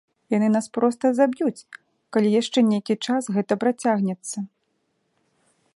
Яны нас проста заб'юць, калі яшчэ нейкі час гэта працягнецца.